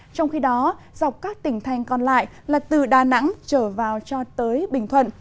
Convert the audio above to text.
trong khi đó dọc các tỉnh thành còn lại là từ đà nẵng trở vào cho tới bình thuận